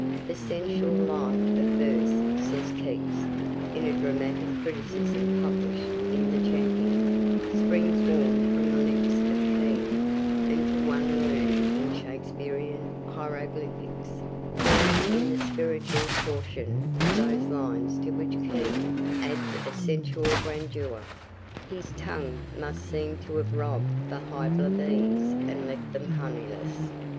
'The sensual life of verse,' says Keats, in a dramatic criticism published in the Champion, 'springs warm from the lips of Kean, and to one learned in Shakespearian hieroglyphics, learned in the spiritual portion of those lines to which Kean adds a sensual grandeur, his tongue must seem to have robbed the Hybla bees and left them honeyless.'